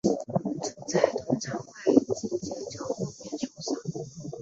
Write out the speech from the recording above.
主菜通常会紧接着后面送上。